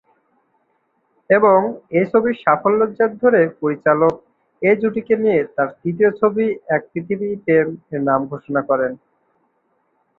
এবং এই ছবির সাফল্যের জের ধরে পরিচালক একই জুটিকে নিয়ে তার তৃতীয় ছবি এক পৃথিবী প্রেম এর নাম ঘোষণা করেন।